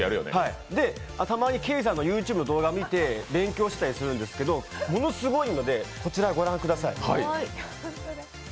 たまにＫａｙさんのＹｏｕＴｕｂｅ、動画を見て勉強してたりするんですけどものすごいのでこちらをご覧ください。